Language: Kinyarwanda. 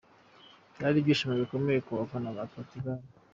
Byari byishimo bikomeye ku bafana ba Portugal